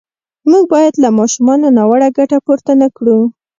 موږ باید له ماشومانو ناوړه ګټه پورته نه کړو.